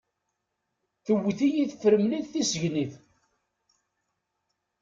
Tewwet-iyi tefremlit tissegnit.